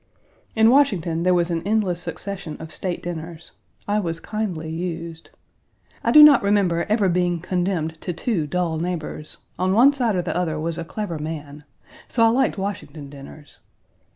In Washington, there was an endless succession of state dinners. I was kindly used. I do not remember ever being condemned to two dull neighbors: on one side or the other was a clever man; so I liked Washington dinners.